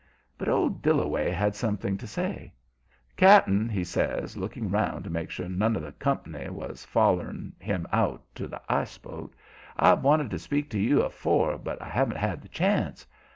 But old Dillaway had something to say. "Cap'n," he says, looking round to make sure none of the comp'ny was follering him out to the ice boat. "I've wanted to speak to you afore, but I haven't had the chance.